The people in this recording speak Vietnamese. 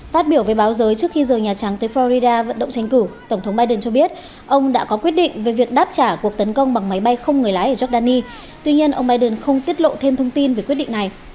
phát biểu với báo giới trước khi rời nhà trắng tới florida vận động tranh cử tổng thống biden cho biết ông đã có quyết định về việc đáp trả cuộc tấn công bằng máy bay không người lái ở giordani tuy nhiên ông biden không tiết lộ thêm thông tin về quyết định này